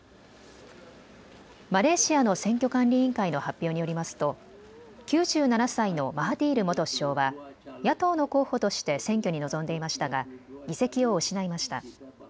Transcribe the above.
マレーシアの選挙管理委員会の発表によりますと９７歳のマハティール元首相は野党の候補として選挙に臨んでいましたが議席を失いました。